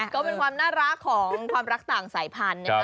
ก็เป็นความน่ารักของความรักต่างสายพันธุ์นะครับ